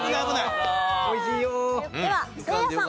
ではせいやさん。